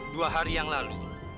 dua hari yang lalu